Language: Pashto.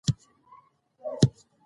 ماته ډېر زنګونه راغلي وو.